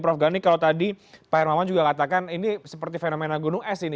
prof gani kalau tadi pak hermawan juga katakan ini seperti fenomena gunung es ini